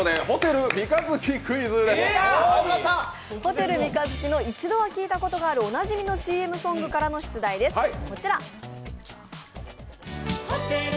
ホテル三日月の一度は聞いたことのあるおなじみのＣＭソングからの出題です。